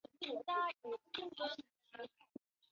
他藏有天文学和力学方面的珍贵书籍。